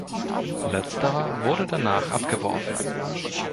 Letzterer wurde danach abgeworfen.